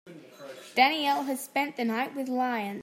Danielle has spent the night with lions.